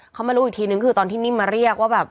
เขามารู้อีกทีนึงคือตอนที่นิ่มมาเรียกว่าแบบ